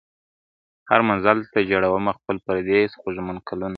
هر منزل ته ژړومه خپل پردېس خوږمن کلونه !.